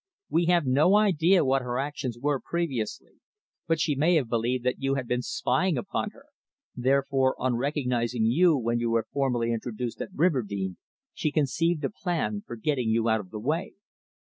We have no idea what her actions were previously, but she may have believed that you had been spying upon her; therefore, on recognising you when you were formally introduced at Riverdene, she conceived a plan for getting you out of the way.